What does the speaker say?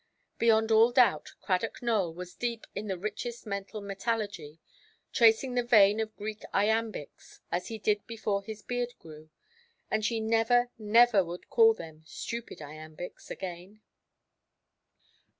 Beyond all doubt, Cradock Nowell was deep in the richest mental metallurgy, tracing the vein of Greek iambics, as he did before his beard grew; and she never, never would call them "stupid iambics" again.